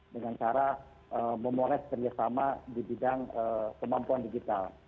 dengan cara memoles kerjasama di bidang kemampuan digital